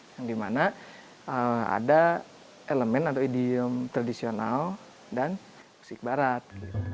yang dimana ada elemen atau idiom tradisional dan musik barat